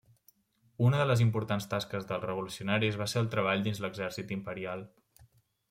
Una de les importants tasques dels revolucionaris va ser el treball dins de l'exèrcit imperial.